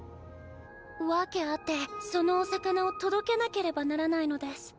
訳あってソノお魚を届けなければならないのデス。